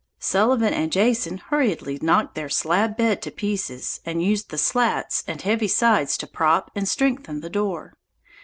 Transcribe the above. Sullivan and Jason hurriedly knocked their slab bed to pieces and used the slats and heavy sides to prop and strengthen the door.